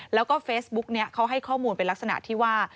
แล้วก็เฟซบุ๊กนี้เขาให้ข้อมูลเป็นลักษณะที่ว่า